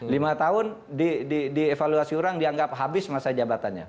lima tahun dievaluasi orang dianggap habis masa jabatannya